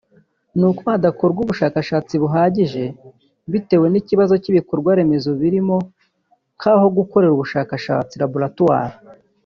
ni uko hadakorwa ubushakashatsi buhagije bitewe n’ikibazo cy’ibikorwa remezo birimo nk’aho gukorera ubushakashatsi (Laboratoire)